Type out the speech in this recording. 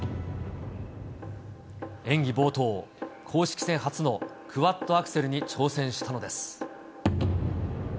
演技冒頭、公式戦初のクワッドアクセルに挑戦したのです。